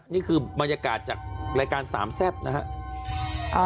นี่คือบรรยากาศจากรายการสามแซ่บนะฮะ